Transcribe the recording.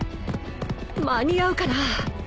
間に合うかな